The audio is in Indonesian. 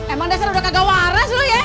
emang dasar udah kagak waras loh ya